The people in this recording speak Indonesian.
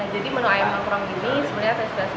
jadi menu ayam nongkrong ini sebenarnya tersebut